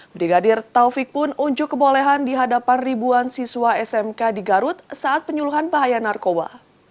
brigadir taufik pun unjuk kebolehan di hadapan ribuan siswa smk di garut saat penyuluhan bahaya narkoba